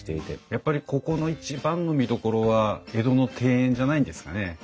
やっぱりここの一番の見どころは江戸の庭園じゃないんですかね。